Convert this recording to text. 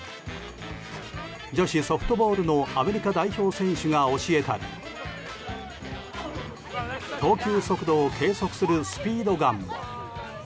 女子ソフトボールのアメリカ代表選手が教えたり投球速度を計測するスピードガンも。